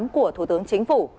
của thủ tướng chính phủ